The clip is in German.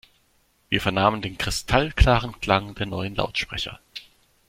Wir vernahmen den kristallklaren Klang der neuen Lautsprecher.